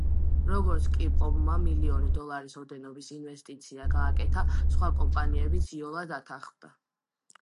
როგორც კი პომმა მილიონი დოლარის ოდენობის ინვესტიცია გააკეთა, სხვა კომპანიებიც იოლად დათანხმდა.